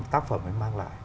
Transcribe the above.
tác phẩm ấy mang lại